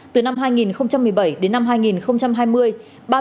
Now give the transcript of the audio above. từ năm hai nghìn một mươi bảy đến năm hai nghìn hai mươi